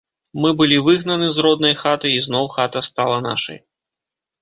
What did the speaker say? Мы былі выгнаны з роднай хаты, і зноў хата стала нашай.